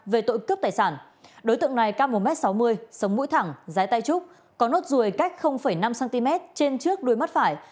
về tội cướp tài sản đối tượng này cao một m sáu mươi sống mũi thẳng trái tay trúc có nốt ruồi cách năm cm trên trước đuôi mắt phải